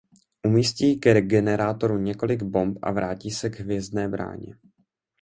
Umístí ke generátoru několik bomb a vrátí se k Hvězdné bráně.